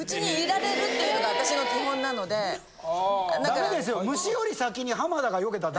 ダメですよ。